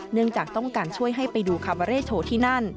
เนื่องจากต้องการช่วยให้ไปดูคาบาเร่โชว์ที่นั่น